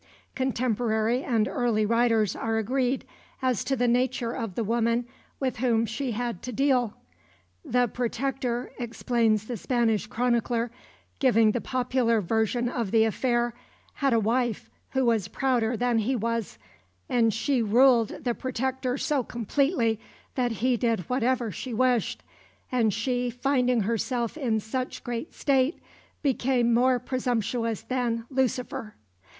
Contemporary and early writers are agreed as to the nature of the woman with whom she had to deal. "The Protector," explains the Spanish chronicler, giving the popular version of the affair, "had a wife who was prouder than he was, and she ruled the Protector so completely that he did whatever she wished, and she, finding herself in such great state, became more presumptuous than Lucifer."